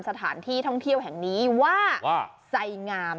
สถานที่ท่องเที่ยวแห่งนี้ว่าไสงาม